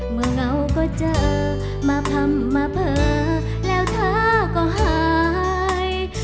เผื่อเมื่อเหงาก็เจอมาพร่ำมาเผลอแล้วเธอก็หาย